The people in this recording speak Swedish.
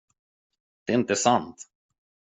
Det är inte sant.